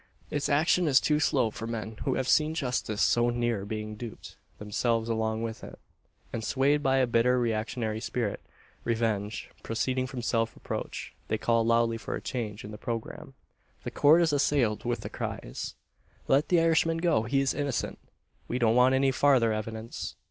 Its action is too slow for men who have seen justice so near being duped themselves along with it; and swayed by a bitter reactionary spirit revenge, proceeding from self reproach they call loudly for a change in the programme. The Court is assailed with the cries: "Let the Irishman go he is innocent! We don't want any farther evidence.